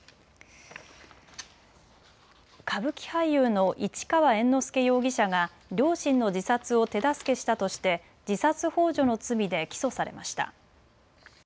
歌舞伎俳優の市川猿之助容疑者が両親の自殺を手助けしたとして自殺ほう助の罪で起訴されました。